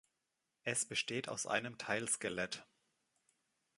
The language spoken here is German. Es besteht aus einem Teilskelett.